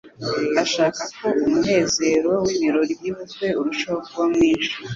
ashaka ko umunezero w'ibirori by'ubukwe urushaho kuba mwinshi'.